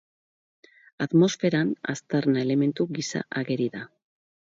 Atmosferan aztarna-elementu gisa ageri da.